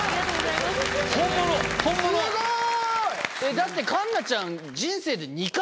だって環奈ちゃん。